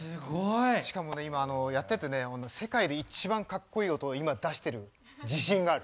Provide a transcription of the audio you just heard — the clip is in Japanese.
しかも今やっててね世界で一番かっこいい音を今出してる自信がある。